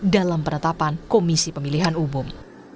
dalam penetapan komisi pemilihan umum